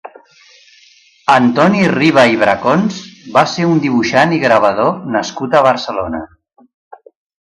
Antoni Riba i Bracons va ser un dibuixant i gravador nascut a Barcelona.